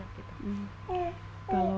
dan ubat ubatnya adik